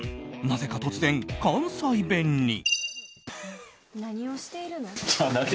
なぜか突然、関西弁に。